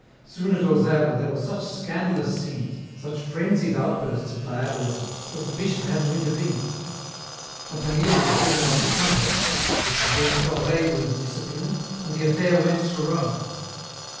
Soon at Auxerre there were such scandalous scenes, such frenzied outbursts of Diabolism, that the bishop had to intervene. Cantianille was driven out of the country, abbé Thorey was disciplined, and the affair went to Rome.